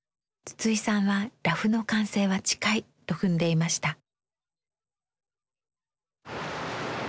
筒井さんはラフの完成は近いと踏んでいました。